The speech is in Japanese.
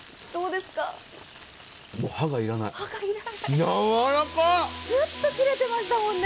すっと切れていましたもんね。